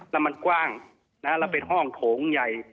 แล้วมันกว้างแล้วเป็นห้องโถงใหญ่